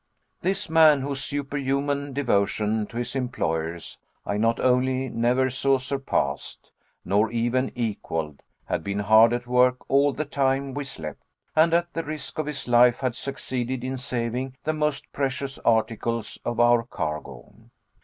This man, whose superhuman devotion to his employers I not only never saw surpassed, nor even equaled, had been hard at work all the time we slept, and at the risk of his life had succeeded in saving the most precious articles of our cargo.